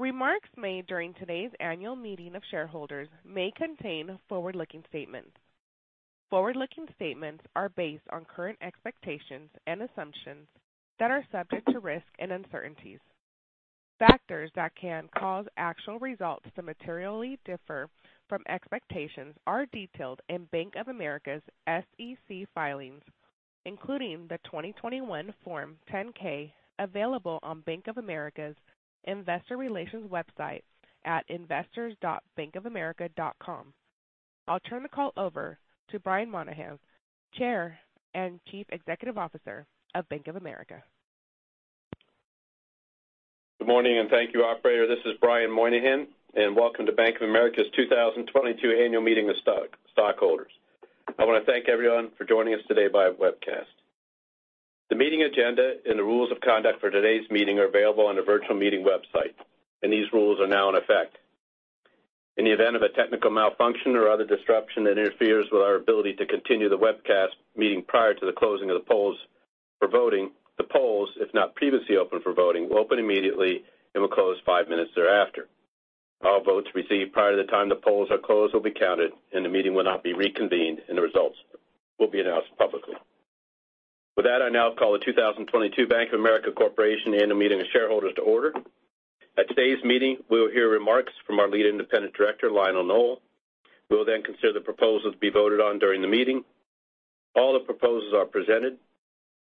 Remarks made during today's annual meeting of shareholders may contain forward-looking statements. Forward-looking statements are based on current expectations and assumptions that are subject to risk and uncertainties. Factors that can cause actual results to materially differ from expectations are detailed in Bank of America's SEC filings, including the 2021 Form 10-K, available on Bank of America's investor relations website at investors.bankofamerica.com. I'll turn the call over to Brian Moynihan, Chair and Chief Executive Officer of Bank of America. Good morning, and thank you, operator. This is Brian Moynihan, and welcome to Bank of America's 2022 Annual Meeting of Stockholders. I wanna thank everyone for joining us today via webcast. The meeting agenda and the rules of conduct for today's meeting are available on the virtual meeting website, and these rules are now in effect. In the event of a technical malfunction or other disruption that interferes with our ability to continue the webcast meeting prior to the closing of the polls for voting, the polls, if not previously open for voting, will open immediately and will close five minutes thereafter. All votes received prior to the time the polls are closed will be counted, and the meeting will not be reconvened, and the results will be announced publicly. With that, I now call the 2022 Bank of America Corporation Annual Meeting of Shareholders to order. At today's meeting, we'll hear remarks from our Lead Independent Director, Lionel Nowell. We'll then consider the proposals to be voted on during the meeting. All the proposals are presented.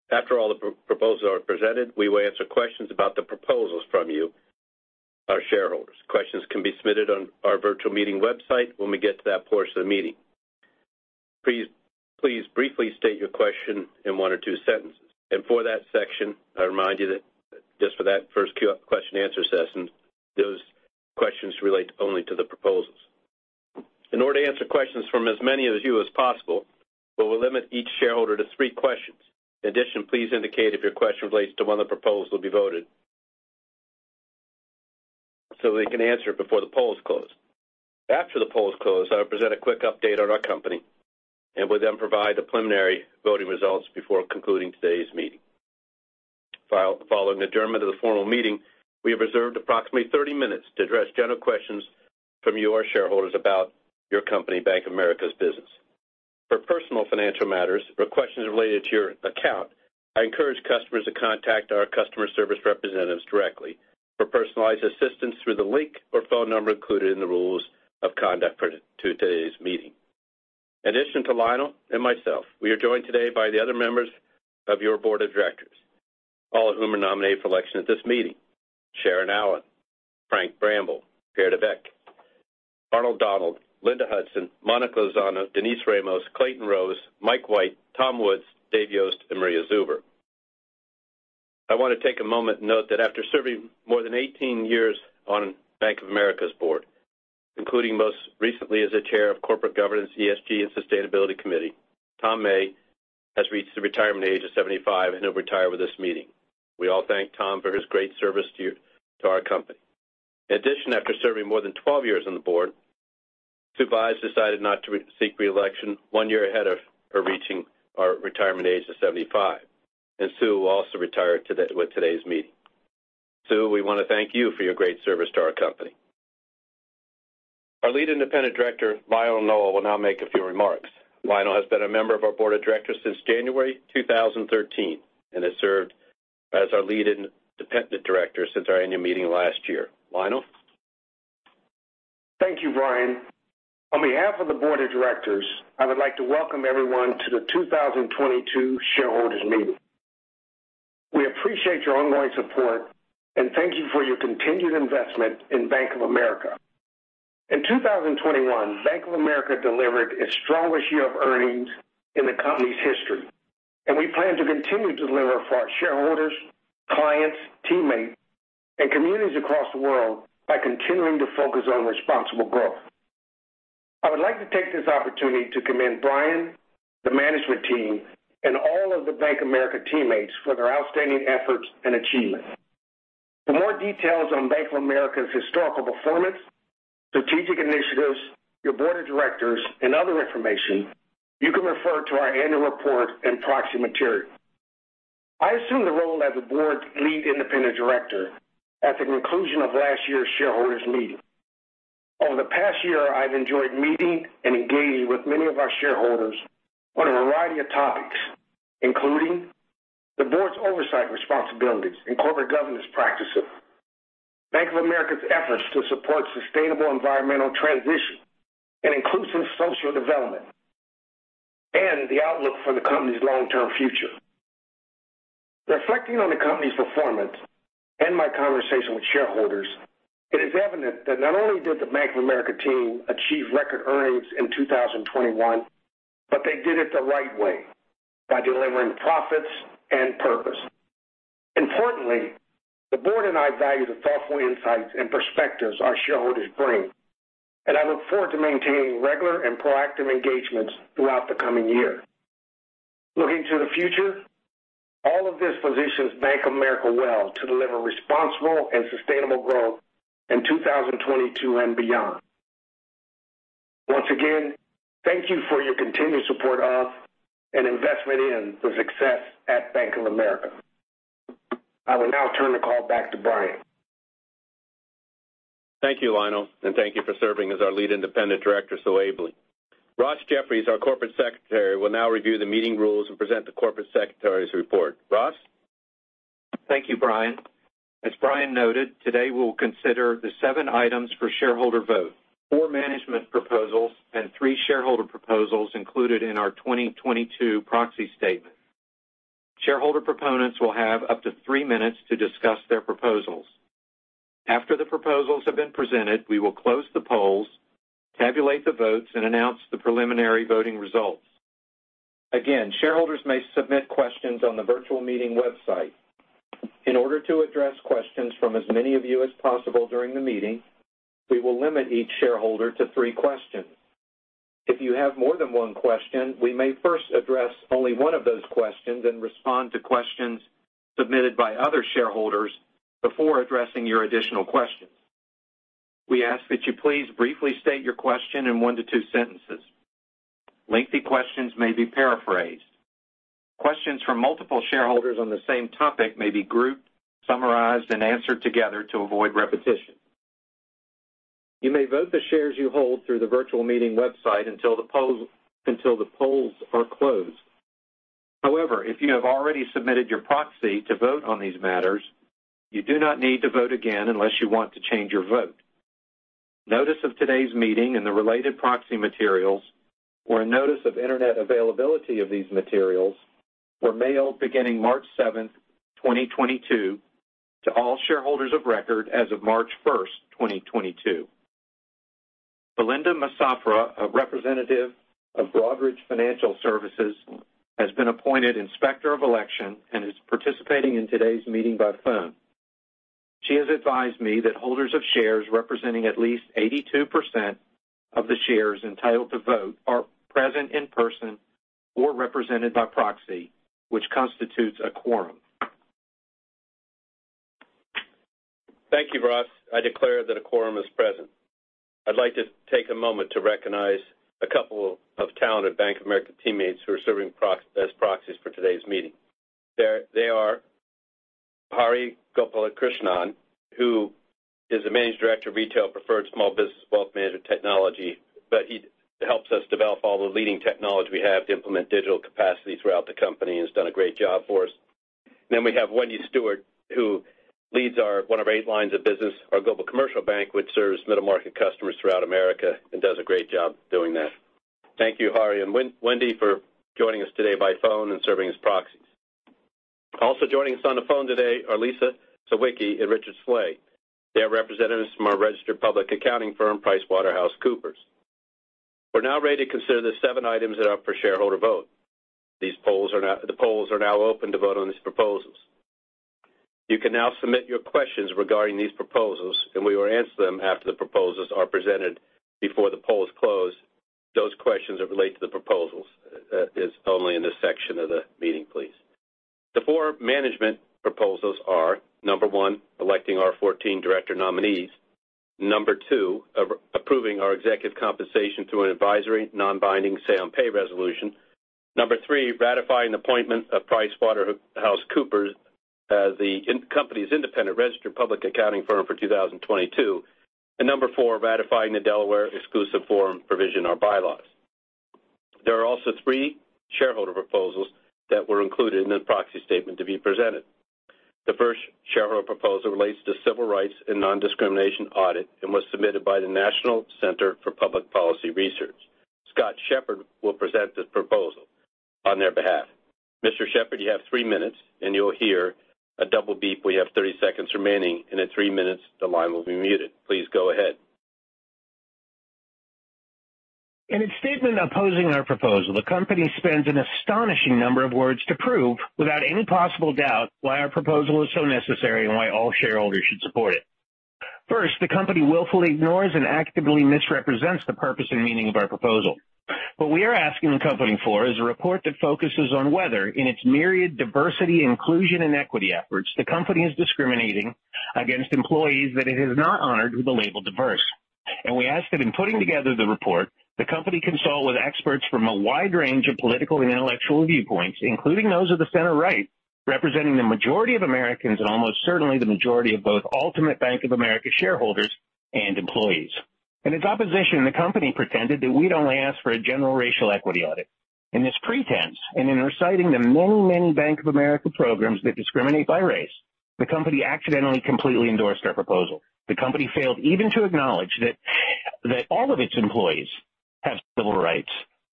After all the proposals are presented, we will answer questions about the proposals from you, our shareholders. Questions can be submitted on our virtual meeting website when we get to that portion of the meeting. Please briefly state your question in one or two sentences. For that section, I remind you that just for that first question and answer session, those questions relate only to the proposals. In order to answer questions from as many of you as possible, we'll limit each shareholder to three questions. In addition, please indicate if your question relates to when the proposal will be voted, so we can answer it before the poll is closed. After the poll is closed, I will present a quick update on our company, and we'll then provide the preliminary voting results before concluding today's meeting. Following adjournment of the formal meeting, we have reserved approximately 30 minutes to address general questions from you, our shareholders, about your company, Bank of America's business. For personal financial matters or questions related to your account, I encourage customers to contact our customer service representatives directly for personalized assistance through the link or phone number included in the rules of conduct for today's meeting. In addition to Lionel and myself, we are joined today by the other members of your board of directors, all of whom are nominated for election at this meeting, Sharon Allen, Frank Bramble, Pierre de Weck, Arnold Donald, Linda Hudson, Monica Lozano, Denise Ramos, Clayton Rose, Mike White, Tom Woods, Dave Yost, and Maria Zuber. I wanna take a moment to note that after serving more than 18 years on Bank of America's board, including most recently as a Chair of Corporate Governance, ESG, and Sustainability Committee, Thomas May has reached the retirement age of 75, and he'll retire with this meeting. We all thank Tom for his great service to our company. In addition, after serving more than 12 years on the board, Susan Bies decided not to re-seek reelection one year ahead of her reaching our retirement age of 75, and Sue will also retire today, with today's meeting. Sue, we wanna thank you for your great service to our company. Our Lead Independent Director, Lionel Nowell, will now make a few remarks. Lionel has been a member of our board of directors since January 2013 and has served as our Lead Independent Director since our annual meeting last year. Lionel. Thank you, Brian. On behalf of the board of directors, I would like to welcome everyone to the 2022 shareholders meeting. We appreciate your ongoing support and thank you for your continued investment in Bank of America. In 2021, Bank of America delivered its strongest year of earnings in the company's history, and we plan to continue to deliver for our shareholders, clients, teammates, and communities across the world by continuing to focus on responsible growth. I would like to take this opportunity to commend Brian, the management team, and all of the Bank of America teammates for their outstanding efforts and achievements. For more details on Bank of America's historical performance, strategic initiatives, your board of directors, and other information, you can refer to our annual report and proxy material. I assumed the role as the board's Lead Independent Director at the conclusion of last year's shareholders meeting. Over the past year, I've enjoyed meeting and engaging with many of our shareholders on a variety of topics, including the board's oversight responsibilities and corporate governance practices, Bank of America's efforts to support sustainable environmental transition and inclusive social development, and the outlook for the company's long-term future. Reflecting on the company's performance and my conversation with shareholders, it is evident that not only did the Bank of America team achieve record earnings in 2021, but they did it the right way, by delivering profits and purpose. Importantly, the board and I value the thoughtful insights and perspectives our shareholders bring, and I look forward to maintaining regular and proactive engagements throughout the coming year. Looking to the future, all of this positions Bank of America well to deliver responsible and sustainable growth in 2022 and beyond. Once again, thank you for your continued support of and investment in the success at Bank of America. I will now turn the call back to Brian. Thank you, Lionel, and thank you for serving as our lead independent director so ably. Ross Jeffries, our Corporate Secretary, will now review the meeting rules and present the corporate secretary's report. Ross. Thank you, Brian. As Brian noted, today we will consider the seven items for shareholder vote, four management proposals and three shareholder proposals included in our 2022 proxy statement. Shareholder proponents will have up to three minutes to discuss their proposals. After the proposals have been presented, we will close the polls, tabulate the votes, and announce the preliminary voting results. Again, shareholders may submit questions on the virtual meeting website. In order to address questions from as many of you as possible during the meeting, we will limit each shareholder to three questions. If you have more than one question, we may first address only one of those questions and respond to questions submitted by other shareholders before addressing your additional questions. We ask that you please briefly state your question in one to two sentences. Lengthy questions may be paraphrased. Questions from multiple shareholders on the same topic may be grouped, summarized, and answered together to avoid repetition. You may vote the shares you hold through the virtual meeting website until the poll, until the polls are closed. However, if you have already submitted your proxy to vote on these matters, you do not need to vote again unless you want to change your vote. Notice of today's meeting and the related proxy materials, or a notice of Internet availability of these materials, were mailed beginning March 7th, 2022 to all shareholders of record as of March 1st, 2022. Belinda Massafra, a representative of Broadridge Financial Solutions, has been appointed Inspector of Election and is participating in today's meeting by phone. She has advised me that holders of shares representing at least 82% of the shares entitled to vote are present in person or represented by proxy, which constitutes a quorum. Thank you, Ross. I declare that a quorum is present. I'd like to take a moment to recognize a couple of talented Bank of America teammates who are serving as proxies for today's meeting. They are Hari Gopalkrishnan, who is the Managing Director of Retail, Preferred Small Business, Wealth Management Technology, but he helps us develop all the leading technology we have to implement digital capacity throughout the company and has done a great job for us. Then we have Wendy Stewart, who leads one of our eight lines of business, our Global Commercial Banking, which serves middle market customers throughout America and does a great job doing that. Thank you, Hari and Wendy for joining us today by phone and serving as proxies. Also joining us on the phone today are Lisa Sawicki and Richard Sleigh. They are representatives from our registered public accounting firm, PricewaterhouseCoopers. We're now ready to consider the seven items that are up for shareholder vote. These polls are now open to vote on these proposals. You can now submit your questions regarding these proposals, and we will answer them after the proposals are presented before the polls close. Those questions that relate to the proposals is only in this section of the meeting, please. The four management proposals are, number one, electing our 14 director nominees. Number two, approving our executive compensation through an advisory, non-binding say on pay resolution. Number three, ratifying appointment of PricewaterhouseCoopers as the company's independent registered public accounting firm for 2022. Number four, ratifying the Delaware Exclusive Forum provision, our bylaws. There are also three shareholder proposals that were included in the proxy statement to be presented. The first shareholder proposal relates to civil rights and non-discrimination audit and was submitted by the National Center for Public Policy Research. Scott Shepard will present this proposal on their behalf. Mr. Shepherd, you have three minutes, and you'll hear a double beep when you have 30 seconds remaining, and in three minutes the line will be muted. Please go ahead. In its statement opposing our proposal, the company spends an astonishing number of words to prove, without any possible doubt, why our proposal is so necessary and why all shareholders should support it. First, the company willfully ignores and actively misrepresents the purpose and meaning of our proposal. What we are asking the company for is a report that focuses on whether, in its myriad diversity, inclusion, and equity efforts, the company is discriminating against employees that it has not honored with the label diverse. We ask that in putting together the report, the company consult with experts from a wide range of political and intellectual viewpoints, including those of the center right, representing the majority of Americans and almost certainly the majority of both ultimate Bank of America shareholders and employees. In its opposition, the company pretended that we'd only ask for a general racial equity audit. In this pretense, and in reciting the many, many Bank of America programs that discriminate by race, the company accidentally completely endorsed our proposal. The company failed even to acknowledge that all of its employees have civil rights.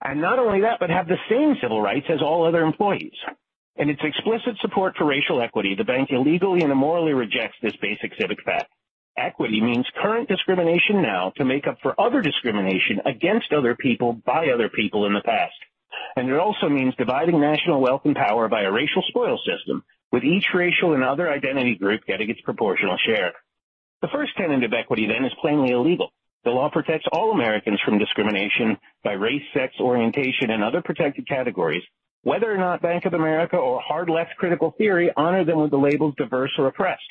Not only that, but have the same civil rights as all other employees. In its explicit support for racial equity, the bank illegally and immorally rejects this basic civic fact. Equity means current discrimination now to make up for other discrimination against other people by other people in the past. It also means dividing national wealth and power by a racial spoils system, with each racial and other identity group getting its proportional share. The first tenet of equity, then, is plainly illegal. The law protects all Americans from discrimination by race, sex, orientation, and other protected categories, whether or not Bank of America or hard left critical theory honor them with the labels diverse or oppressed.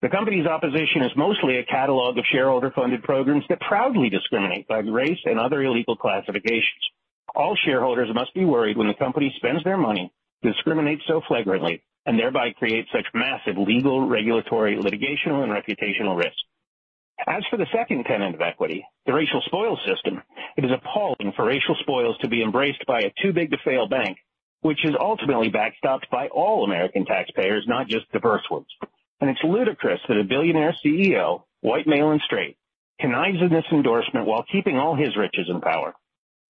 The company's opposition is mostly a catalog of shareholder-funded programs that proudly discriminate by race and other illegal classifications. All shareholders must be worried when the company spends their money, discriminates so flagrantly, and thereby creates such massive legal, regulatory, litigational, and reputational risk. As for the second tenet of equity, the racial spoils system, it is appalling for racial spoils to be embraced by a too big to fail bank, which is ultimately backstopped by all American taxpayers, not just diverse ones. It's ludicrous that a billionaire CEO, white, male, and straight, connives in this endorsement while keeping all his riches and power.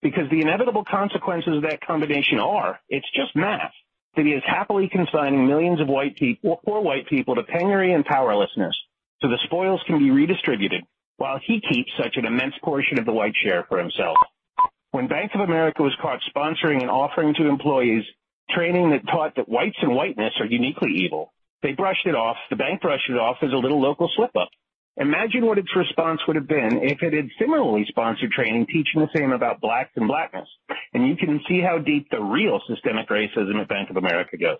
Because the inevitable consequences of that combination are, it's just math, that he is happily consigning millions of white people to penury and powerlessness so the spoils can be redistributed while he keeps such an immense portion of the white share for himself. When Bank of America was caught sponsoring and offering to employees training that taught that whites and whiteness are uniquely evil, they brushed it off. The bank brushed it off as a little local slip up. Imagine what its response would have been if it had similarly sponsored training teaching the same about blacks and blackness. You can see how deep the real systemic racism at Bank of America goes.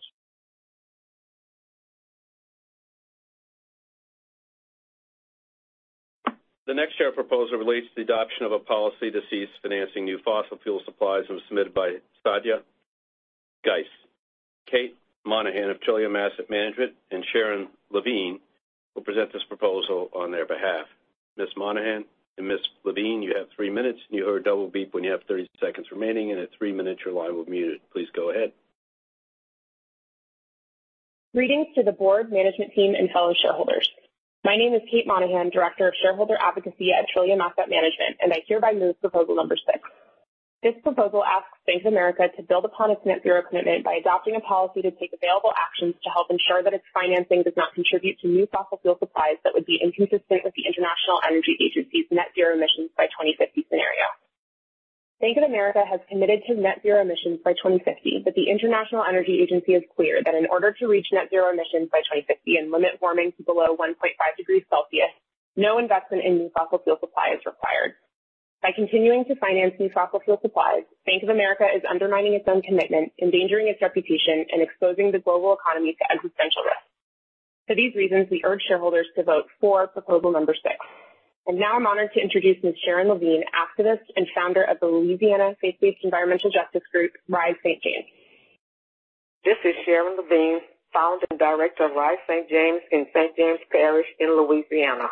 The next share proposal relates to the adoption of a policy to cease financing new fossil fuel supplies and was submitted by Sadia Geiss. Kate Monahan of Trillium Asset Management and Sharon Lavigne will present this proposal on their behalf. Ms. Monahan and Ms. Lavigne, you have three minutes, and you'll hear a double beep when you have thirty seconds remaining, and at three minutes, your line will be muted. Please go ahead. Greetings to the board, management team, and fellow shareholders. My name is Kate Monahan, Director of Shareholder Advocacy at Trillium Asset Management, and I hereby move proposal number six. This proposal asks Bank of America to build upon its net zero commitment by adopting a policy to take available actions to help ensure that its financing does not contribute to new fossil fuel supplies that would be inconsistent with the International Energy Agency's net zero emissions by 2050 scenario. Bank of America has committed to net zero emissions by 2050, but the International Energy Agency is clear that in order to reach net zero emissions by 2050 and limit warming to below 1.5 degrees Celsius, no investment in new fossil fuel supply is required. By continuing to finance new fossil fuel supplies, Bank of America is undermining its own commitment, endangering its reputation, and exposing the global economy to existential risk. For these reasons, we urge shareholders to vote for proposal number six. Now I'm honored to introduce Ms. Sharon Lavigne, activist and founder of the Louisiana faith-based environmental justice group, RISE St. James. This is Sharon Lavigne, founder and director of RISE St. James in St. James Parish in Louisiana.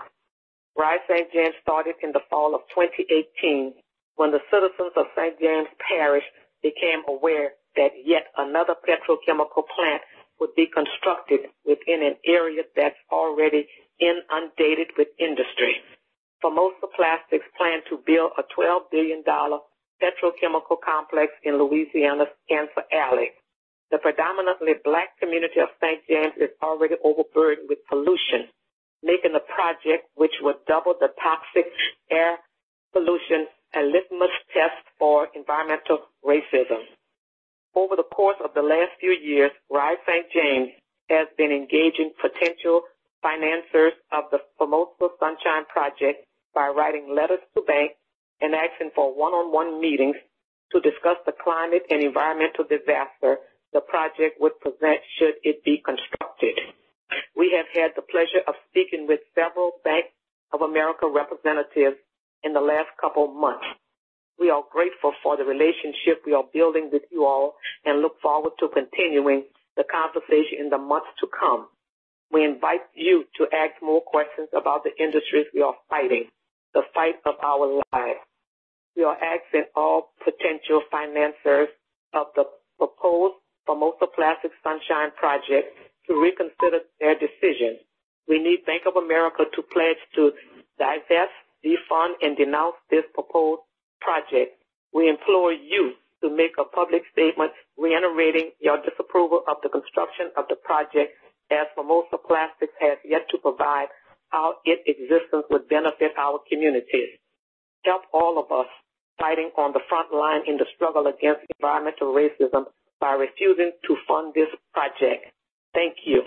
RISE St. James started in the fall of 2018 when the citizens of St. James Parish became aware that yet another petrochemical plant would be constructed within an area that's already inundated with industry. Formosa Plastics planned to build a $12 billion petrochemical complex in Louisiana's Cancer Alley. The predominantly Black community of St. James is already overburdened with pollution, making the project, which would double the toxic air pollution, a litmus test for environmental racism. Over the course of the last few years, RISE St. James has been engaging potential financers of the Formosa Sunshine Project by writing letters to banks and asking for one-on-one meetings to discuss the climate and environmental disaster the project would present should it be constructed. We have had the pleasure of speaking with several Bank of America representatives in the last couple of months. We are grateful for the relationship we are building with you all and look forward to continuing the conversation in the months to come. We invite you to ask more questions about the industries we are fighting, the fight of our lives. We are asking all potential financers of the proposed Formosa Plastics Sunshine Project to reconsider their decision. We need Bank of America to pledge to divest, defund, and denounce this proposed project. We implore you to make a public statement reiterating your disapproval of the construction of the project, as Formosa Plastics has yet to provide how its existence would benefit our communities. Help all of us fighting on the front line in the struggle against environmental racism by refusing to fund this project. Thank you.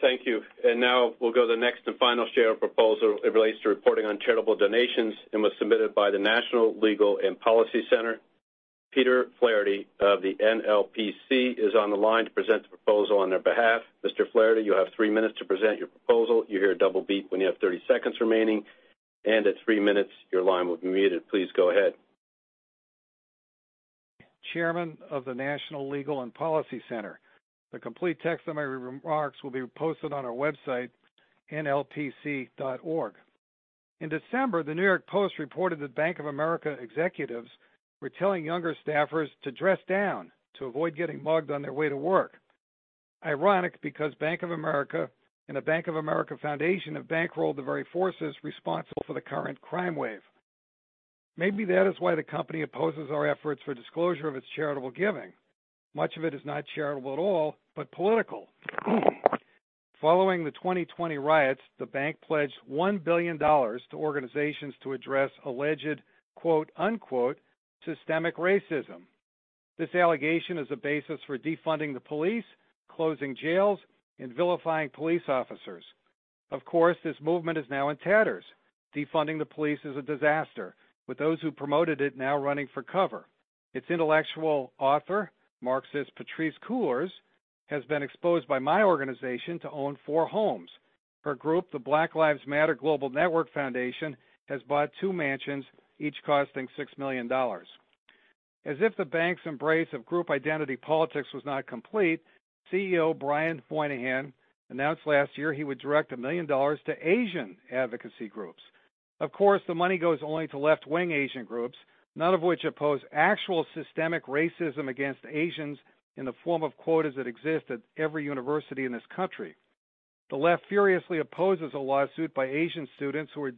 Thank you. Now we'll go to the next and final share proposal. It relates to reporting on charitable donations and was submitted by the National Legal and Policy Center. Peter Flaherty of the NLPC is on the line to present the proposal on their behalf. Mr. Flaherty, you have three minutes to present your proposal. You hear a double beep when you have thirty seconds remaining, and at three minutes, your line will be muted. Please go ahead. Chairman of the National Legal and Policy Center. The complete text of my remarks will be posted on our website, nlpc.org. In December, the New York Post reported that Bank of America executives were telling younger staffers to dress down to avoid getting mugged on their way to work. Ironic, because Bank of America and the Bank of America Foundation have bankrolled the very forces responsible for the current crime wave. Maybe that is why the company opposes our efforts for disclosure of its charitable giving. Much of it is not charitable at all, but political. Following the 2020 riots, the bank pledged $1 billion to organizations to address alleged, quote, unquote, "systemic racism." This allegation is the basis for defunding the police, closing jails, and vilifying police officers. Of course, this movement is now in tatters. Defunding the police is a disaster, with those who promoted it now running for cover. Its intellectual author, Marxist Patrisse Cullors, has been exposed by my organization to own four homes. Her group, the Black Lives Matter Global Network Foundation, has bought two mansions, each costing $6 million. As if the bank's embrace of group identity politics was not complete, CEO Brian Moynihan announced last year he would direct $1 million to Asian advocacy groups. Of course, the money goes only to left-wing Asian groups, none of which oppose actual systemic racism against Asians in the form of quotas that exist at every university in this country. The left furiously opposes a lawsuit by Asian students who were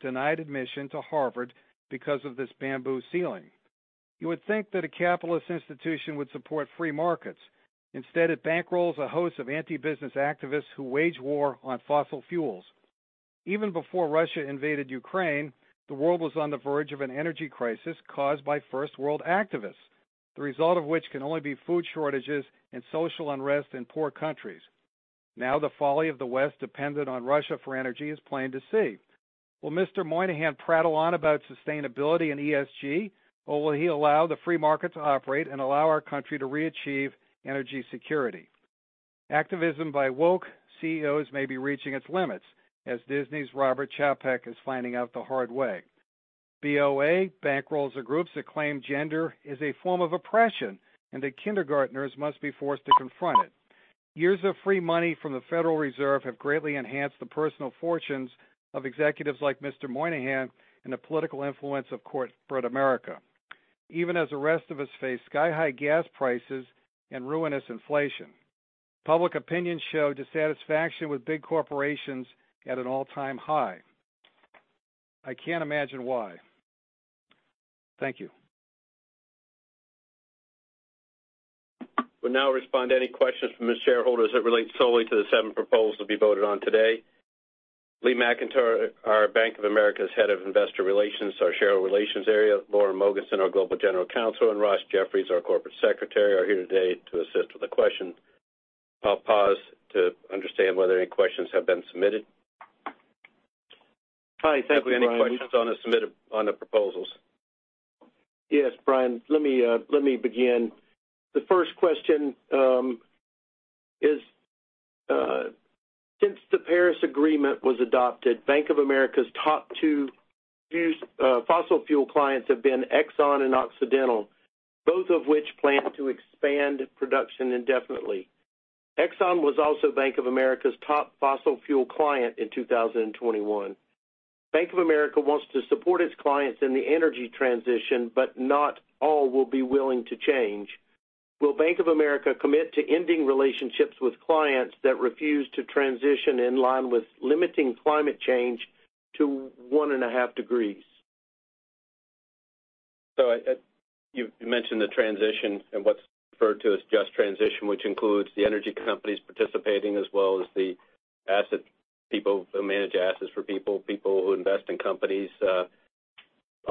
denied admission to Harvard because of this bamboo ceiling. You would think that a capitalist institution would support free markets. Instead, it bankrolls a host of anti-business activists who wage war on fossil fuels. Even before Russia invaded Ukraine, the world was on the verge of an energy crisis caused by First World activists, the result of which can only be food shortages and social unrest in poor countries. Now the folly of the West dependent on Russia for energy is plain to see. Will Mr. Moynihan prattle on about sustainability and ESG, or will he allow the free market to operate and allow our country to re-achieve energy security? Activism by woke CEOs may be reaching its limits, as Disney's Bob Chapek is finding out the hard way. BOA bankrolls the groups that claim gender is a form of oppression, and that kindergartners must be forced to confront it. Years of free money from the Federal Reserve have greatly enhanced the personal fortunes of executives like Mr. Moynihan and the political influence, of course, spread America, even as the rest of us face sky-high gas prices and ruinous inflation. Public opinion show dissatisfaction with big corporations at an all-time high. I can't imagine why. Thank you. We'll now respond to any questions from the shareholders that relate solely to the seven proposals to be voted on today. Lee McEntire, our Bank of America's Head of Investor Relations, our Shareholder Relations area, Lauren Mogensen, our Global General Counsel, and Ross Jeffries, our Corporate Secretary, are here today to assist with the questions. I'll pause to understand whether any questions have been submitted. Hi. Thank you, Brian. Do we have any questions on the proposals? Yes, Brian. Let me begin. The first question is since the Paris Agreement was adopted, Bank of America's top two fossil fuel clients have been Exxon and Occidental, both of which plan to expand production indefinitely. Exxon was also Bank of America's top fossil fuel client in 2021. Bank of America wants to support its clients in the energy transition, but not all will be willing to change. Will Bank of America commit to ending relationships with clients that refuse to transition in line with limiting climate change to 1.5 degrees? You mentioned the transition and what's referred to as just transition, which includes the energy companies participating as well as the asset people who manage assets for people who invest in companies.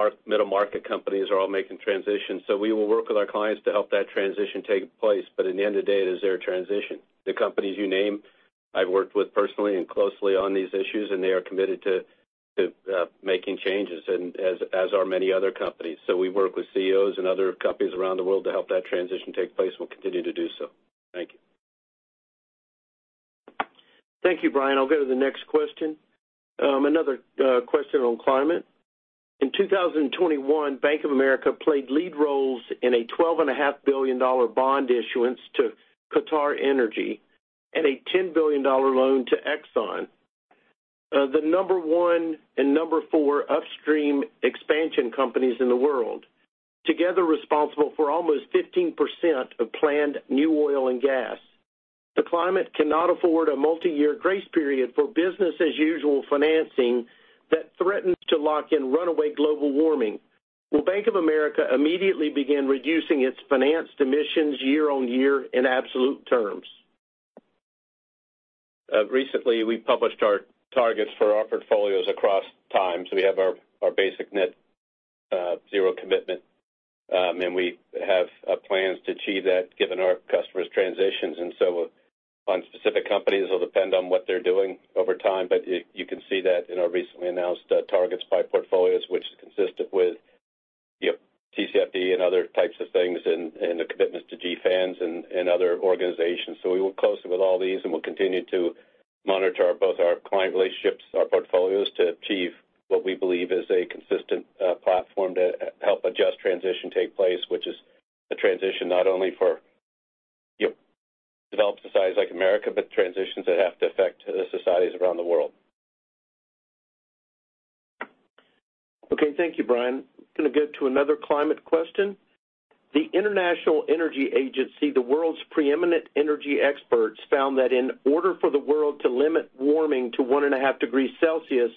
Our middle market companies are all making transitions. We will work with our clients to help that transition take place. But at the end of the day, it is their transition. The companies you name, I've worked with personally and closely on these issues, and they are committed to making changes and as are many other companies. We work with CEOs and other companies around the world to help that transition take place. We'll continue to do so. Thank you. Thank you, Brian. I'll go to the next question. Another question on climate. In 2021, Bank of America played lead roles in a $12.5 billion bond issuance to QatarEnergy and a $10 billion loan to Exxon, the No. 1 and No. 4 upstream expansion companies in the world, together responsible for almost 15% of planned new oil and gas. The climate cannot afford a multi-year grace period for business as usual financing that threatens to lock in runaway global warming. Will Bank of America immediately begin reducing its financed emissions year on year in absolute terms? Recently, we published our targets for our portfolios across time. We have our basic net zero commitment, and we have plans to achieve that given our customers' transitions. On specific companies, it'll depend on what they're doing over time. You can see that in our recently announced targets by portfolios, which is consistent with, you know, TCFD and other types of things and the commitments to GFANZ and other organizations. We work closely with all these, and we'll continue to monitor both our client relationships, our portfolios, to achieve what we believe is a consistent platform to help a just transition take place, which is a transition not only for, you know, developed societies like America, but transitions that have to affect the societies around the world. Okay. Thank you, Brian. Gonna get to another climate question. The International Energy Agency, the world's preeminent energy experts, found that in order for the world to limit warming to 1.5 degrees Celsius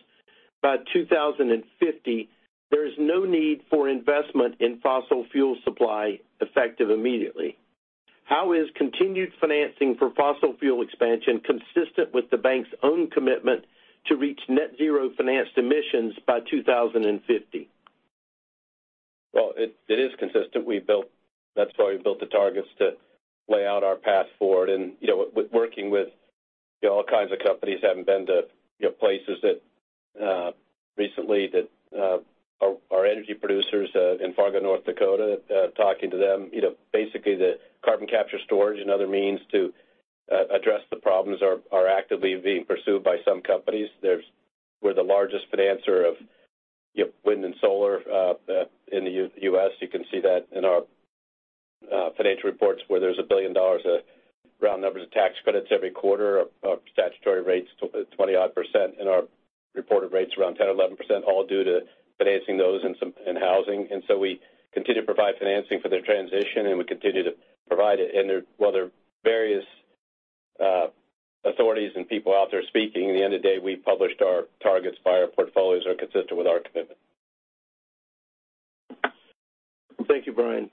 by 2050, there is no need for investment in fossil fuel supply effective immediately. How is continued financing for fossil fuel expansion consistent with the bank's own commitment to reach net zero financed emissions by 2050? It is consistent. That's why we built the targets to lay out our path forward. Working with all kinds of companies, having been to places that recently are energy producers in Fargo, North Dakota, talking to them. Basically, the carbon capture storage and other means to address the problems are actively being pursued by some companies. We're the largest financier of wind and solar in the U.S. You can see that in our financial reports, where there's $1 billion of round numbers of tax credits every quarter of statutory rates, 20-odd%, and our reported rates around 10 or 11%, all due to financing those and some in housing. We continue to provide financing for their transition, and we continue to provide it. While there are various authorities and people out there speaking, at the end of the day, we've published our targets, and our portfolios are consistent with our commitment. Thank you, Brian.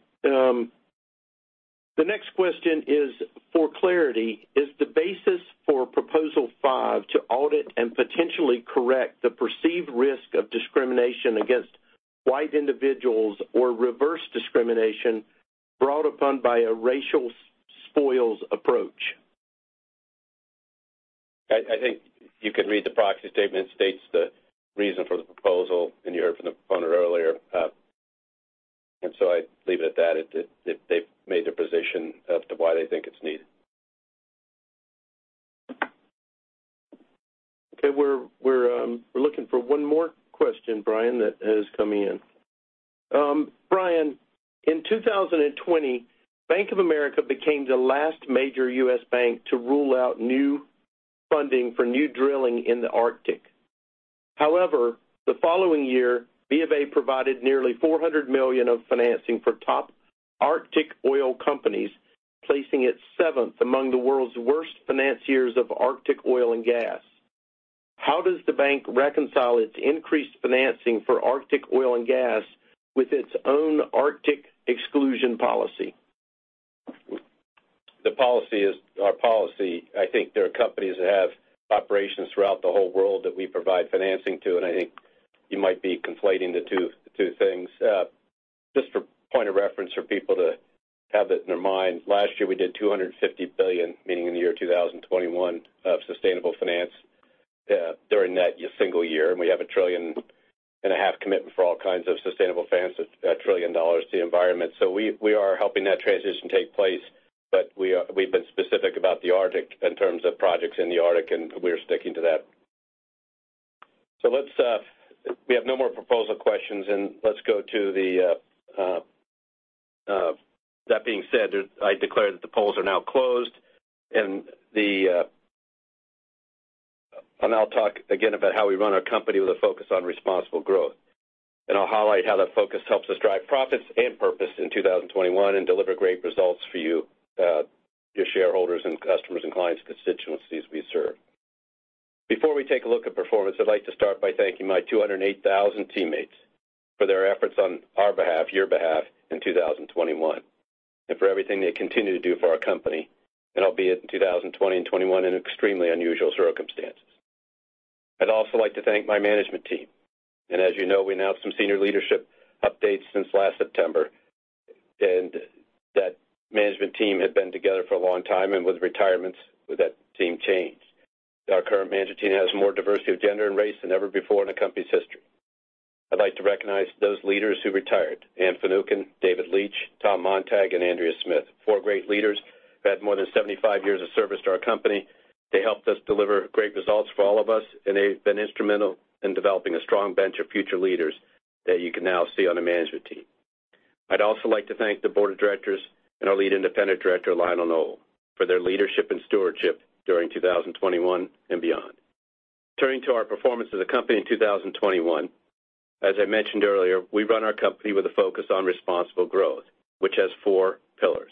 The next question is, for clarity, is the basis for proposal five to audit and potentially correct the perceived risk of discrimination against white individuals or reverse discrimination brought upon by a racial spoils approach? I think you can read the proxy statement. It states the reason for the proposal, and you heard from the funder earlier. I leave it at that. They've made their position as to why they think it's needed. We're looking for one more question, Brian, that has come in. Brian, in 2020, Bank of America became the last major U.S. bank to rule out new funding for new drilling in the Arctic. However, the following year, BofA provided nearly $400 million of financing for top Arctic oil companies, placing it seventh among the world's worst financiers of Arctic oil and gas. How does the bank reconcile its increased financing for Arctic oil and gas with its own Arctic exclusion policy? The policy is our policy. I think there are companies that have operations throughout the whole world that we provide financing to, and I think you might be conflating the two things. Just for point of reference for people to have it in their mind, last year we did $250 billion, meaning in the year 2021, of sustainable finance, during that single year. We have a $1.5 trillion commitment for all kinds of sustainable finance, $1 trillion to the environment. We are helping that transition take place, but we have been specific about the Arctic in terms of projects in the Arctic, and we are sticking to that. Let's go to the. We have no more proposal questions, and let's go to the. That being said, I declare that the polls are now closed. I'll now talk again about how we run our company with a focus on responsible growth. I'll highlight how that focus helps us drive profits and purpose in 2021 and deliver great results for you, your shareholders and customers and clients, constituencies we serve. Before we take a look at performance, I'd like to start by thanking my 208,000 teammates for their efforts on our behalf, your behalf, in 2021, and for everything they continue to do for our company, albeit in 2020 and 2021 in extremely unusual circumstances. I'd also like to thank my management team. As you know, we announced some senior leadership updates since last September. That management team had been together for a long time, and with retirements, that team changed. Our current management team has more diversity of gender and race than ever before in the company's history. I'd like to recognize those leaders who retired. Anne Finucane, David Leitch, Tom Montag, and Andrea Smith. Four great leaders who had more than 75 years of service to our company. They helped us deliver great results for all of us, and they've been instrumental in developing a strong bench of future leaders that you can now see on the management team. I'd also like to thank the board of directors and our lead independent director, Lionel Nowell, for their leadership and stewardship during 2021 and beyond. Turning to our performance of the company in 2021, as I mentioned earlier, we run our company with a focus on responsible growth, which has four pillars.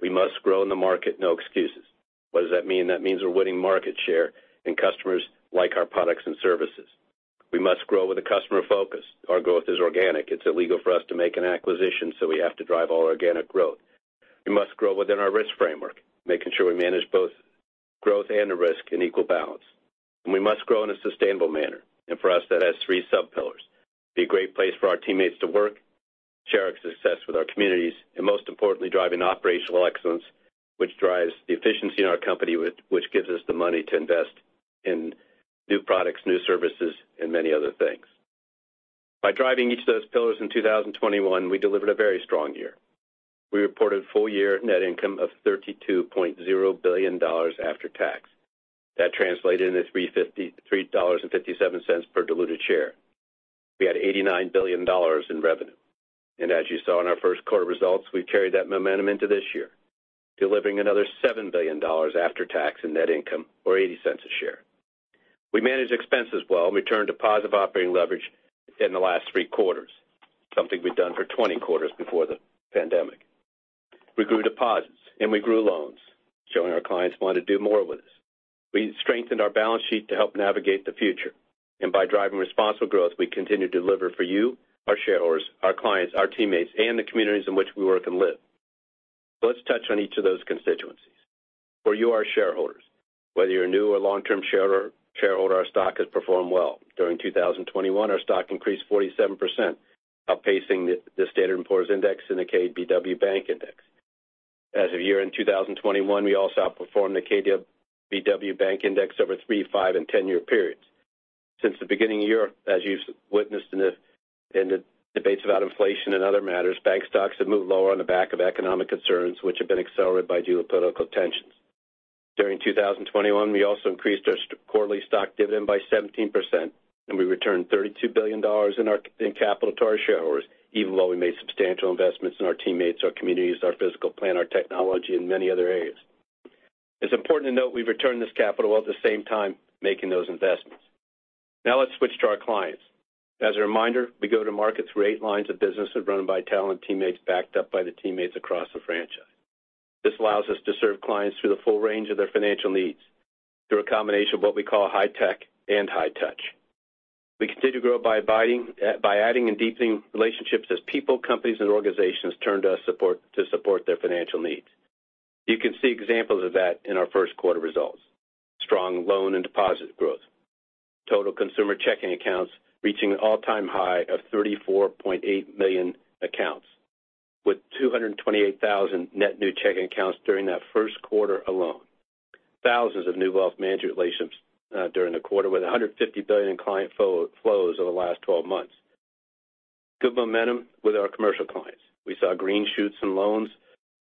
We must grow in the market, no excuses. What does that mean? That means we're winning market share and customers like our products and services. We must grow with a customer focus. Our growth is organic. It's illegal for us to make an acquisition, so we have to drive all organic growth. We must grow within our risk framework, making sure we manage both growth and the risk in equal balance. We must grow in a sustainable manner. For us, that has three sub-pillars. Be a great place for our teammates to work, share our success with our communities, and most importantly, driving operational excellence, which drives the efficiency in our company which gives us the money to invest in new products, new services, and many other things. By driving each of those pillars in 2021, we delivered a very strong year. We reported full year net income of $32.0 billion after tax. That translated into $353.57 per diluted share. We had $89 billion in revenue. As you saw in our first quarter results, we carried that momentum into this year, delivering another $7 billion after tax and net income, or $0.80 a share. We managed expenses well. We returned to positive operating leverage in the last three quarters, something we've done for 20 quarters before the pandemic. We grew deposits, and we grew loans, showing our clients want to do more with us. We strengthened our balance sheet to help navigate the future, and by driving responsible growth, we continue to deliver for you, our shareholders, our clients, our teammates, and the communities in which we work and live. Let's touch on each of those constituencies. For you, our shareholders, whether you're a new or long-term shareholder, our stock has performed well. During 2021, our stock increased 47%, outpacing the S&P 500 Index and the KBW Bank Index. As of year-end 2021, we also outperformed the KBW Bank Index over 3, 5, and 10-year periods. Since the beginning of the year, as you've witnessed in the debates about inflation and other matters, bank stocks have moved lower on the back of economic concerns which have been accelerated by geopolitical tensions. During 2021, we also increased our quarterly stock dividend by 17%, and we returned $32 billion in capital to our shareholders, even though we made substantial investments in our teammates, our communities, our physical plant, our technology, and many other areas. It's important to note we've returned this capital while at the same time making those investments. Now let's switch to our clients. As a reminder, we go to market through 8 lines of business that are run by talented teammates backed up by the teammates across the franchise. This allows us to serve clients through the full range of their financial needs through a combination of what we call high tech and high touch. We continue to grow by adding and deepening relationships as people, companies, and organizations turn to us to support their financial needs. You can see examples of that in our first quarter results. Strong loan and deposit growth. Total consumer checking accounts reaching an all-time high of 34.8 million accounts, with 228,000 net new checking accounts during that first quarter alone. Thousands of new wealth management relationships during the quarter, with $150 billion in client flows over the last twelve months. Good momentum with our commercial clients. We saw green shoots in loans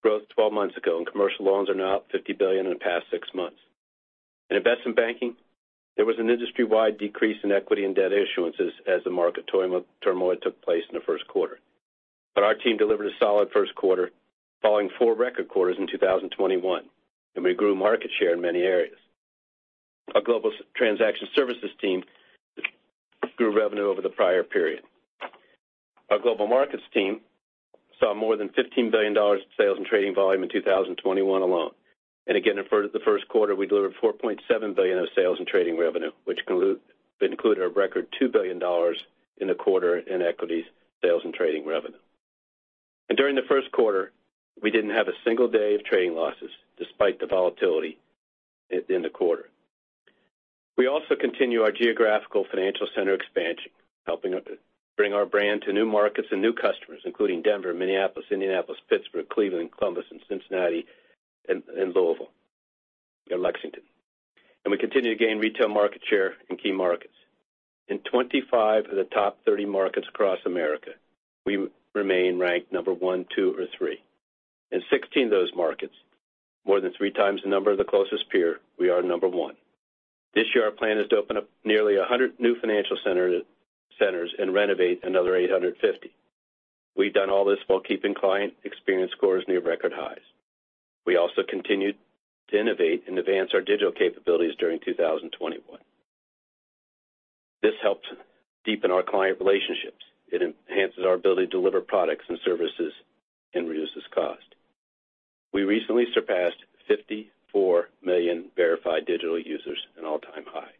growth 12 months ago, and commercial loans are now up $50 billion in the past six months. In investment banking, there was an industry-wide decrease in equity and debt issuances as the market turmoil took place in the first quarter. Our team delivered a solid first quarter following four record quarters in 2021, and we grew market share in many areas. Our Global Transaction Services team grew revenue over the prior period. Our Global Markets team saw more than $15 billion in sales and trading volume in 2021 alone. Again, in the first quarter, we delivered $4.7 billion of sales and trading revenue, which included a record $2 billion in the quarter in equities sales and trading revenue. During the first quarter, we didn't have a single day of trading losses despite the volatility in the quarter. We also continue our geographical financial center expansion, helping us bring our brand to new markets and new customers, including Denver, Minneapolis, Indianapolis, Pittsburgh, Cleveland, Columbus, and Cincinnati, and Louisville or Lexington. We continue to gain retail market share in key markets. In 25 of the top 30 markets across America, we remain ranked number one, two, or three. In 16 of those markets, more than three times the number of the closest peer, we are number one. This year, our plan is to open up nearly 100 new financial centers and renovate another 850. We've done all this while keeping client experience scores near record highs. We also continued to innovate and advance our digital capabilities during 2021. This helps deepen our client relationships. It enhances our ability to deliver products and services and reduces cost. We recently surpassed 54 million verified digital users, an all-time high.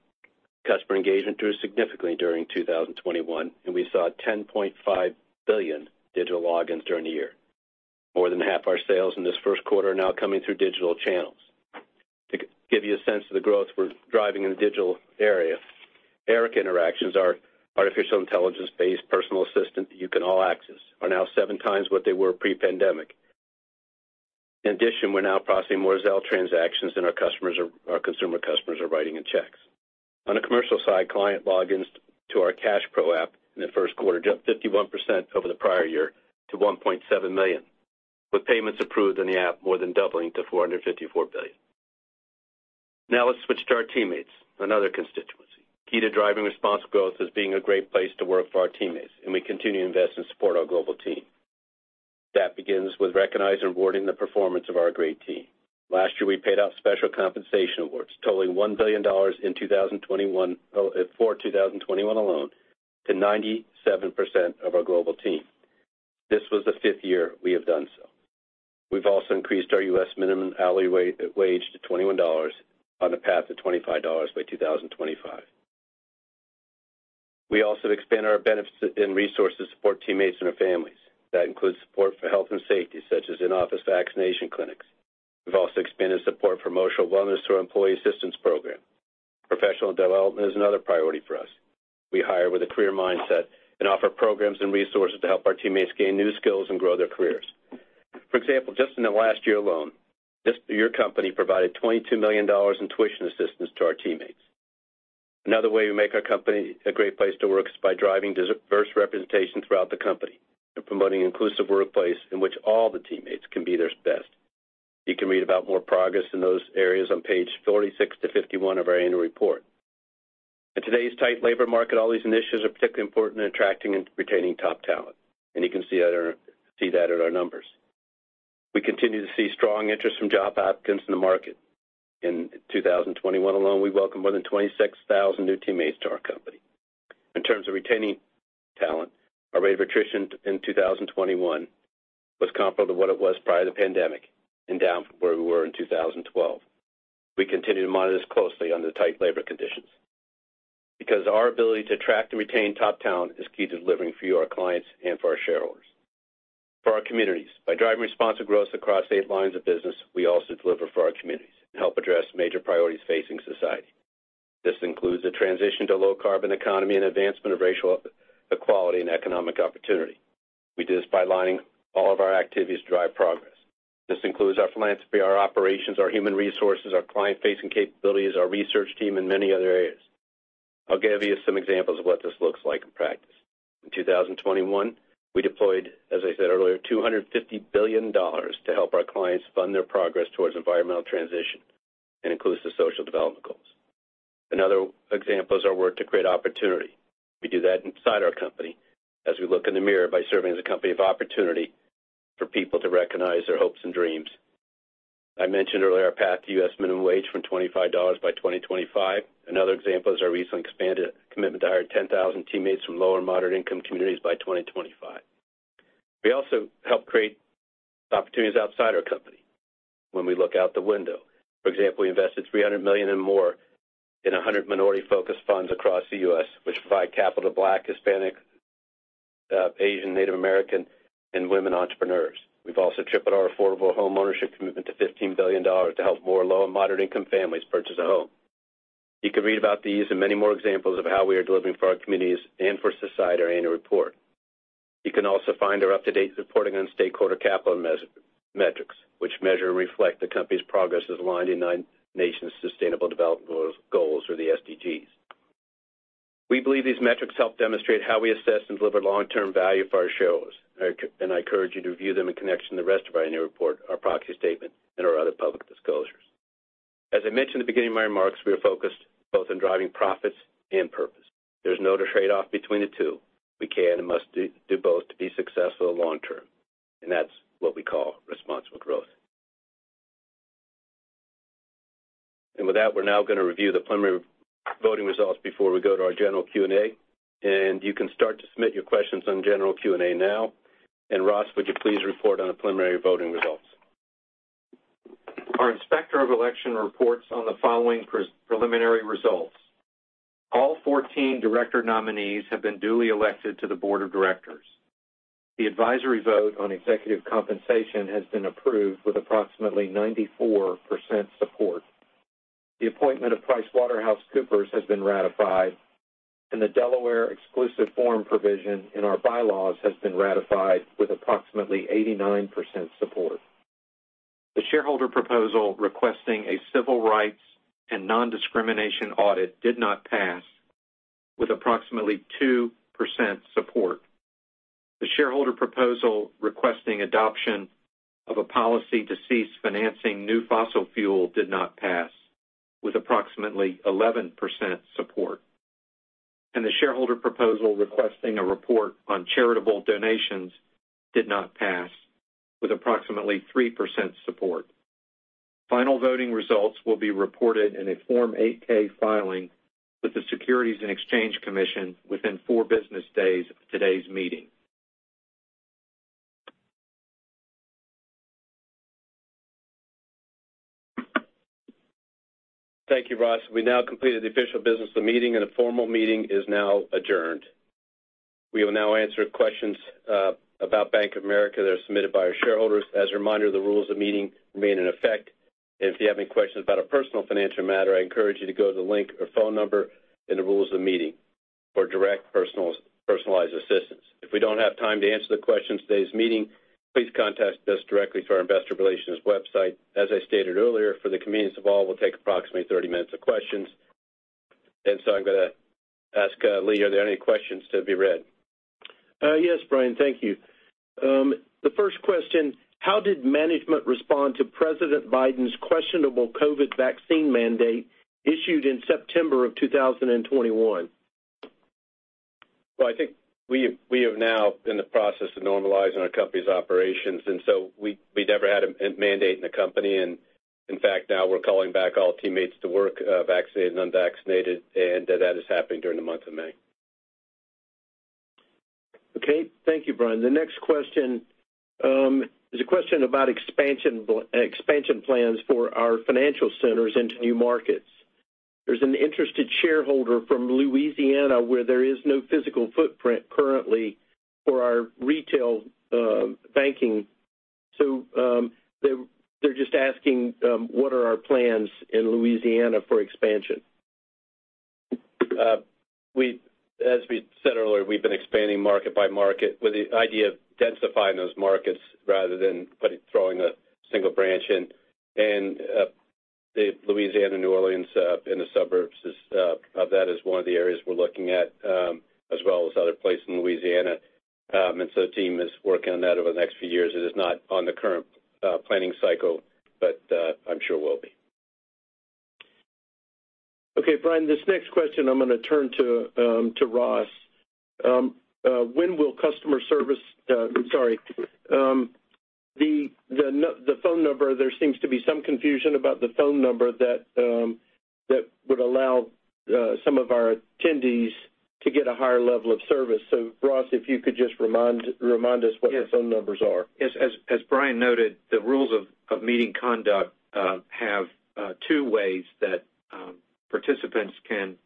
Customer engagement grew significantly during 2021, and we saw 10.5 billion digital logins during the year. More than half our sales in this first quarter are now coming through digital channels. To give you a sense of the growth we're driving in the digital area, Erica interactions, our artificial intelligence-based personal assistant you can all access, are now seven times what they were pre-pandemic. In addition, we're now processing more Zelle transactions than our customers are our consumer customers are writing in checks. On the commercial side, client logins to our CashPro app in the first quarter jumped 51% over the prior year to 1.7 million, with payments approved in the app more than doubling to $454 billion. Now let's switch to our teammates, another constituency. Key to driving responsible growth is being a great place to work for our teammates, and we continue to invest and support our global team. That begins with recognizing and rewarding the performance of our great team. Last year, we paid out special compensation awards totaling $1 billion in 2021 for 2021 alone to 97% of our global team. This was the fifth year we have done so. We've also increased our U.S. minimum hourly wage to $21 on the path to $25 by 2025. We also have expanded our benefits and resources to support teammates and their families. That includes support for health and safety, such as in-office vaccination clinics. We've also expanded support for emotional wellness through our employee assistance program. Professional development is another priority for us. We hire with a career mindset and offer programs and resources to help our teammates gain new skills and grow their careers. For example, just in the last year alone, your company provided $22 million in tuition assistance to our teammates. Another way we make our company a great place to work is by driving diverse representation throughout the company and promoting inclusive workplace in which all the teammates can be their best. You can read about more progress in those areas on pages 46-51 of our annual report. In today's tight labor market, all these initiatives are particularly important in attracting and retaining top talent, and you can see that at our numbers. We continue to see strong interest from job applicants in the market. In 2021 alone, we welcomed more than 26,000 new teammates to our company. In terms of retaining talent, our rate of attrition in 2021 was comparable to what it was prior to the pandemic and down from where we were in 2012. We continue to monitor this closely under tight labor conditions. Our ability to attract and retain top talent is key to delivering for our clients and for our shareholders, for our communities. By driving responsive growth across eight lines of business, we also deliver for our communities and help address major priorities facing society. This includes a transition to low carbon economy and advancement of racial equality and economic opportunity. We do this by aligning all of our activities to drive progress. This includes our philanthropy, our operations, our human resources, our client-facing capabilities, our research team, and many other areas. I'll give you some examples of what this looks like in practice. In 2021, we deployed, as I said earlier, $250 billion to help our clients fund their progress towards environmental transition, and includes the Sustainable Development Goals. Another example is our work to create opportunity. We do that inside our company as we look in the mirror by serving as a company of opportunity for people to recognize their hopes and dreams. I mentioned earlier our path to a $25 minimum wage by 2025. Another example is our recently expanded commitment to hire 10,000 teammates from low- and moderate-income communities by 2025. We also help create opportunities outside our company when we look out the window. For example, we invested $300 million and more in 100 minority-focused funds across the U.S., which provide capital to Black, Hispanic, Asian, Native American, and women entrepreneurs. We've also tripled our affordable homeownership commitment to $15 billion to help more low- and moderate-income families purchase a home. You can read about these and many more examples of how we are delivering for our communities and for society in our annual report. You can also find our up-to-date reporting on stakeholder capital metrics, which measure and reflect the company's progress as aligned with the United Nations' sustainable development goals or the SDGs. We believe these metrics help demonstrate how we assess and deliver long-term value for our shareholders. I encourage you to view them in connection to the rest of our annual report, our proxy statement, and our other public disclosures. As I mentioned at the beginning of my remarks, we are focused both on driving profits and purpose. There's no trade-off between the two. We can and must do both to be successful long term, and that's what we call responsible growth. With that, we're now gonna review the preliminary voting results before we go to our general Q&A. You can start to submit your questions on general Q&A now. Ross, would you please report on the preliminary voting results? Our Inspector of Election reports on the following preliminary results. All 14 director nominees have been duly elected to the board of directors. The advisory vote on executive compensation has been approved with approximately 94% support. The appointment of PricewaterhouseCoopers has been ratified, and the Delaware Exclusive Forum provision in our bylaws has been ratified with approximately 89% support. The shareholder proposal requesting a civil rights and non-discrimination audit did not pass with approximately 2% support. The shareholder proposal requesting adoption of a policy to cease financing new fossil fuel did not pass with approximately 11% support. The shareholder proposal requesting a report on charitable donations did not pass with approximately 3% support. Final voting results will be reported in a Form 8-K filing with the Securities and Exchange Commission within four business days of today's meeting. Thank you, Ross. We now completed the official business of the meeting, and the formal meeting is now adjourned. We will now answer questions about Bank of America that are submitted by our shareholders. As a reminder, the rules of meeting remain in effect. If you have any questions about a personal financial matter, I encourage you to go to the link or phone number in the rules of meeting for direct personal, personalized assistance. If we don't have time to answer the question in today's meeting, please contact us directly through our investor relations website. As I stated earlier, for the convenience of all, we'll take approximately 30 minutes of questions. I'm gonna ask, Lee, are there any questions to be read? Yes, Brian, thank you. The first question, how did management respond to President Biden's questionable COVID vaccine mandate issued in September 2021? Well, I think we have now been in the process of normalizing our company's operations, and so we never had a mandate in the company. In fact, now we're calling back all teammates to work, vaccinated and unvaccinated, and that is happening during the month of May. Okay. Thank you, Brian. The next question is a question about expansion plans for our financial centers into new markets. There's an interested shareholder from Louisiana where there is no physical footprint currently for our retail banking. They're just asking what are our plans in Louisiana for expansion? As we said earlier, we've been expanding market by market with the idea of densifying those markets rather than throwing a single branch in. The Louisiana, New Orleans, and the suburbs, that is one of the areas we're looking at, as well as other places in Louisiana. The team is working on that over the next few years. It is not on the current planning cycle, but I'm sure it will be. Okay, Brian, this next question, I'm gonna turn to Ross. The phone number, there seems to be some confusion about the phone number that would allow some of our attendees to get a higher level of service. Ross, if you could just remind us what those phone numbers are. Yes. As Brian noted, the rules of meeting conduct have two ways that participants can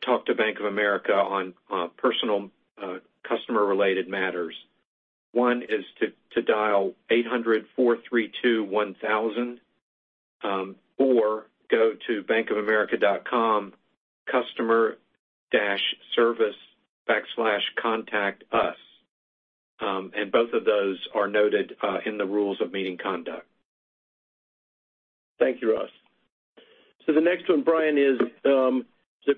talk to Bank of America on personal customer-related matters. One is to dial 800-432-1000 or go to bankofamerica.com/customer-service/contactus. Both of those are noted in the rules of meeting conduct. Thank you, Ross. The next one, Brian, is the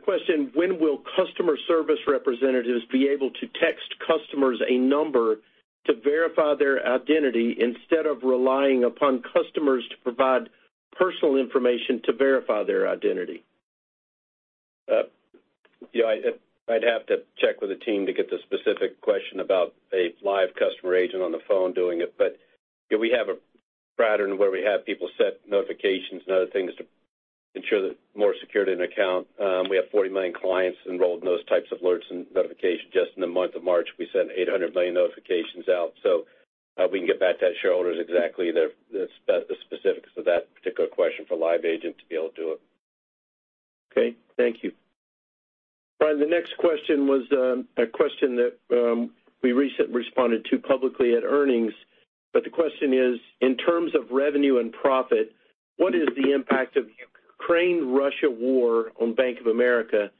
question, when will customer service representatives be able to text customers a number to verify their identity instead of relying upon customers to provide personal information to verify their identity? You know, I'd have to check with the team to get the specific question about a live customer agent on the phone doing it. Yeah, we have a pattern where we have people set notifications and other things to ensure that more security in an account. We have 40 million clients enrolled in those types of alerts and notifications. Just in the month of March, we sent 800 million notifications out. We can get back to shareholders exactly the specifics of that particular question for a live agent to be able to do it. Okay. Thank you. Brian, the next question was, a question that, we recently responded to publicly at earnings. The question is, in terms of revenue and profit, what is the impact of the Ukraine-Russia war on Bank of America?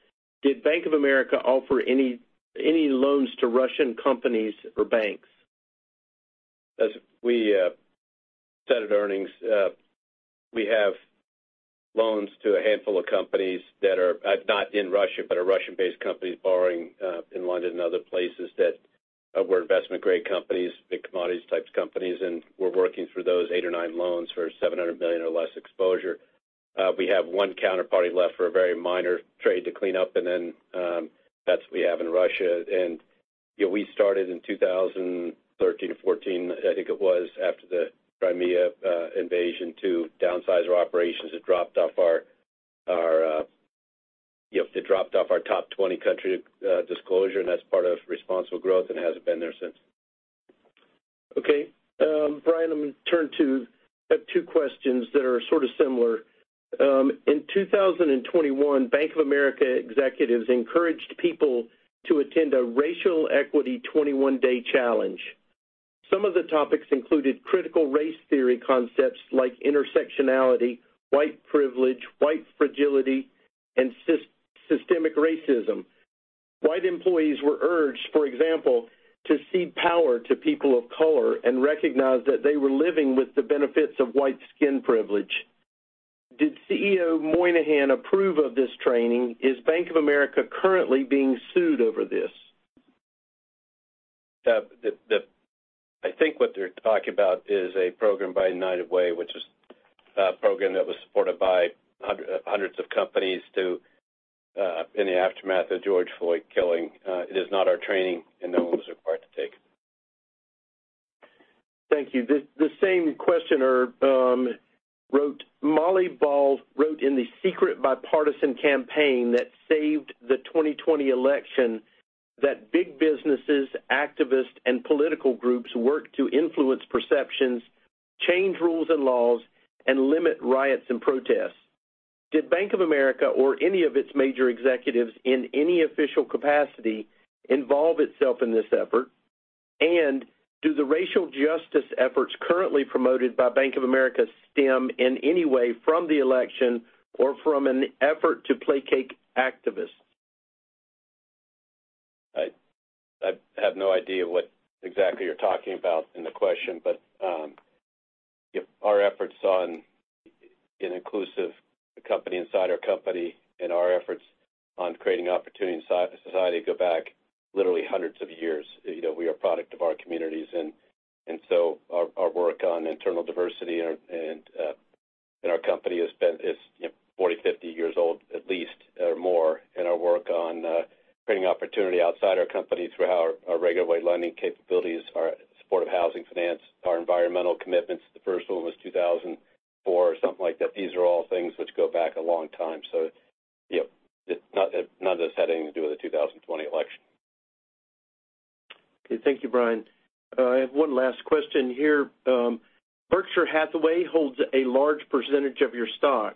Did Bank of America offer any loans to Russian companies or banks? As we said at earnings, we have loans to a handful of companies that are not in Russia, but are Russian-based companies borrowing in London and other places that were investment grade companies, big commodities type companies. We're working through those 8 or 9 loans for $700 million or less exposure. We have one counterparty left for a very minor trade to clean up and then, that's what we have in Russia. You know, we started in 2013 or 2014, I think it was after the Crimea invasion to downsize our operations. It dropped off our top 20 country disclosure, and that's part of responsible growth and hasn't been there since. Okay. Brian, I'm gonna turn to. I have two questions that are sort of similar. In 2021, Bank of America executives encouraged people to attend a racial equity 21-day challenge. Some of the topics included critical race theory concepts like intersectionality, white privilege, white fragility, and systemic racism. White employees were urged, for example, to cede power to people of color and recognize that they were living with the benefits of white skin privilege. Did CEO Moynihan approve of this training? Is Bank of America currently being sued over this? I think what they're talking about is a program by United Way, which is a program that was supported by hundreds of companies in the aftermath of George Floyd killing. It is not our training and no one was required to take it. Thank you. The same questioner wrote, Molly Ball wrote in the secret bipartisan campaign that saved the 2020 election that big businesses, activists, and political groups worked to influence perceptions, change rules and laws, and limit riots and protests. Did Bank of America or any of its major executives in any official capacity involve itself in this effort? And do the racial justice efforts currently promoted by Bank of America stem in any way from the election or from an effort to placate activists? I have no idea what exactly you're talking about in the question, but our efforts on an inclusive company inside our company and our efforts on creating opportunity in society go back literally hundreds of years. You know, we are a product of our communities, and so our work on internal diversity and in our company has been, you know, 40, 50 years old at least or more. Our work on creating opportunity outside our company through our regulatory lending capabilities, our support of housing finance, our environmental commitments. The first one was 2004, something like that. These are all things which go back a long time. Yeah, none of this had anything to do with the 2020 election. Okay. Thank you, Brian. I have one last question here. Berkshire Hathaway holds a large percentage of your stock.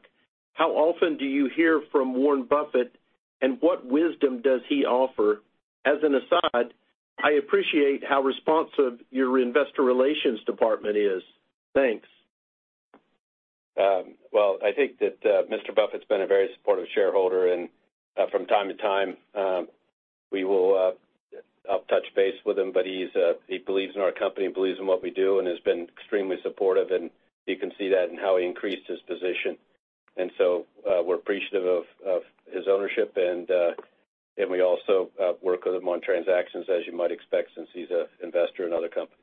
How often do you hear from Warren Buffett, and what wisdom does he offer? As an aside, I appreciate how responsive your investor relations department is. Thanks. Well, I think that Mr. Buffett's been a very supportive shareholder. From time to time, I'll touch base with him, but he believes in our company and believes in what we do and has been extremely supportive, and you can see that in how he increased his position. We're appreciative of his ownership, and we also work with him on transactions, as you might expect, since he's an investor in other companies.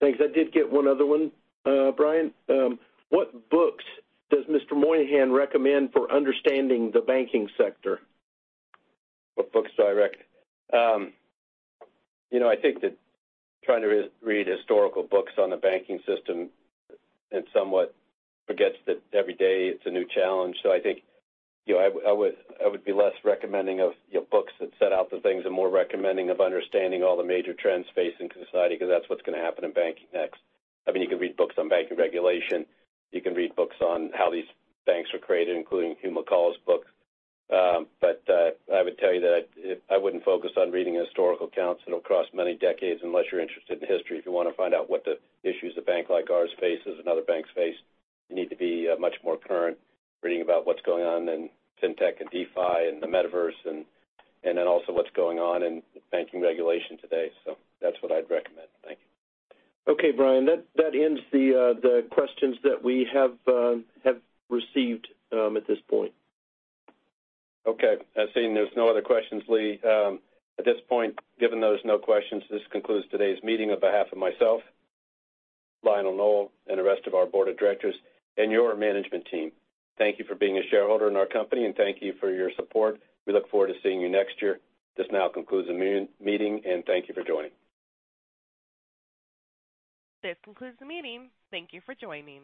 Thanks. I did get one other one, Brian. What books does Mr. Moynihan recommend for understanding the banking sector? What books do I, you know, I think that trying to read historical books on the banking system, it somewhat forgets that every day it's a new challenge. I think, you know, I would be less recommending of, you know, books that set out the things and more recommending of understanding all the major trends facing society, because that's what's going to happen in banking next. I mean, you can read books on banking regulation. You can read books on how these banks were created, including Hugh McColl's book. I would tell you that I wouldn't focus on reading historical accounts, you know, across many decades, unless you're interested in history. If you want to find out what the issues a bank like ours faces and other banks face, you need to be much more current reading about what's going on in fintech and DeFi and the metaverse and then also what's going on in banking regulation today. That's what I'd recommend. Thank you. Okay, Brian, that ends the questions that we have received at this point. Okay. I'm seeing there's no other questions, Lee McEntire. At this point, given there's no questions, this concludes today's meeting. On behalf of myself, Lionel Nowell, and the rest of our board of directors and your management team, thank you for being a shareholder in our company, and thank you for your support. We look forward to seeing you next year. This now concludes the meeting, and thank you for joining. This concludes the meeting. Thank you for joining.